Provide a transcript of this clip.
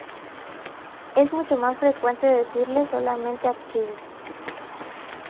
Es mucho más frecuente decirle solamente archivo.